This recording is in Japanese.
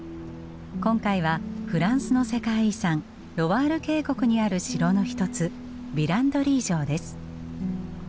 今回はフランスの世界遺産ロワール渓谷にある城の一つヴィランドリー城です。